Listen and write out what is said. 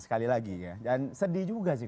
sekali lagi ya dan sedih juga sih